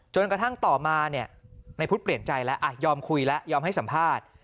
จนกระทั่งต่อมาเนี่ยในพุทธเปลี่ยนใจแล้วยอมคุยแล้วยอมให้สัมภาษณ์